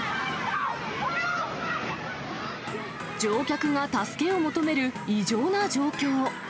乗客が助けを求める異常な状況。